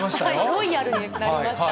ロイヤルになりました。